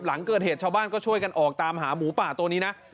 หลังเกิดเหตุชาวบ้านก็ช่วยกันออกตามหาหมูป่าตัวนี้นะ